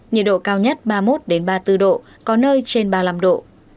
nhiệt độ cao nhất ba mươi một ba mươi bốn độ có nơi trên ba mươi năm độ